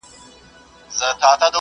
تور پوستي او سپین پوستي ولې توپیر لري؟